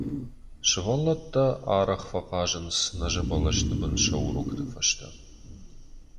Сывӕллӕттӕ арӕх фӕхъазынц нӕзы бӕлӕсты бын сӕ урокты фӕстӕ.